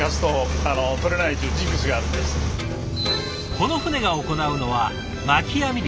この船が行うのは巻き網漁。